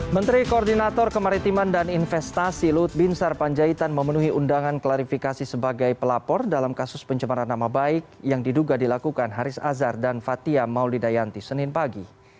menteri koordinator kemaritiman dan investasi lut bin sarpanjaitan memenuhi undangan klarifikasi sebagai pelapor dalam kasus pencemaran nama baik yang diduga dilakukan haris azhar dan fathia maulidayanti senin pagi